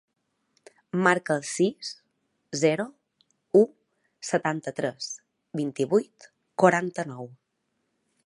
Marca el sis, zero, u, setanta-tres, vint-i-vuit, quaranta-nou.